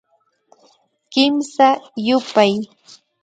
Kimsa yupay